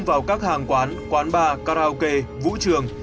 vào các hàng quán quán bar karaoke vũ trường